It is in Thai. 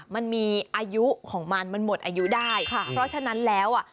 มันมีอายุของมันมันหมดอายุได้ค่ะเพราะฉะนั้นแล้วอ่ะ